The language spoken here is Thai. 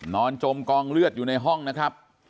จมกองเลือดอยู่ในห้องนะครับ